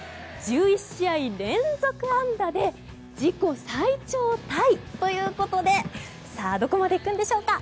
１１試合連続安打で自己最長タイということでどこまで行くんでしょうか。